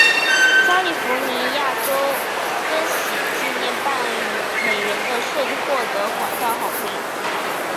加利福尼亚州钻禧纪念半美元的设计获得广泛好评。